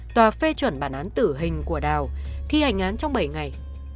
tòa phê chuẩn bản án tử hình của đào thi hành án trong bảy ngày